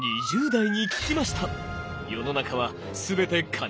２０代に聞きました！